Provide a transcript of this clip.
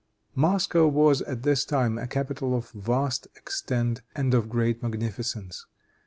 Moscow was at this time a capital of vast extent and of great magnificence.